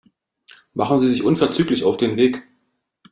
Machen Sie sich unverzüglich auf den Weg.